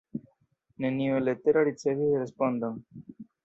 Neniu letero ricevis respondon.